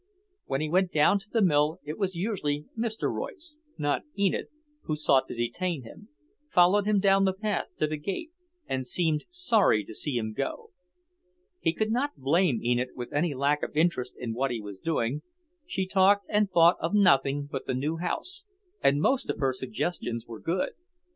When he went down to the mill it was usually Mr. Royce, not Enid, who sought to detain him, followed him down the path to the gate and seemed sorry to see him go. He could not blame Enid with any lack of interest in what he was doing. She talked and thought of nothing but the new house, and most of her suggestions were good.